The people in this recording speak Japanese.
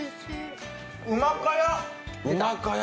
うまかや。